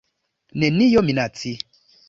Nenio minaci.